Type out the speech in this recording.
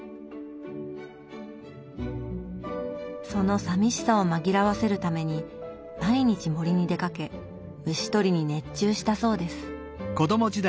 そのさみしさを紛らわせるために毎日森に出かけ虫捕りに熱中したそうです。